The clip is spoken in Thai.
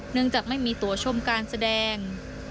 เนื่องจากไม่มีตัวชมการแสดง